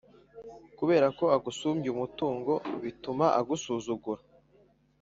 kubera ko agusumbya umutungo bituma agusugura